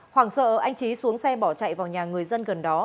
hoàng sợ anh trí xuống xe bỏ chạy vào nhà người dân gần đó